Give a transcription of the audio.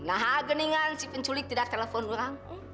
nah geningan si penculik tidak telepon orang